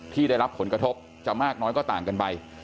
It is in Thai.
ที่ได้รับผลกระทบจะมากน้อยก็ต่างกันไป